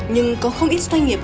nhưng có không ít doanh nghiệp